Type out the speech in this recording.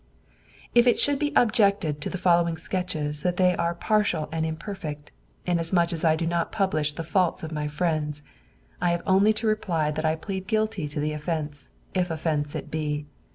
If it should be objected to the following sketches that they are partial and imperfect, inasmuch as I do not publish the faults of my friends, I have only to reply that I plead guilty to the offence, if offence it be.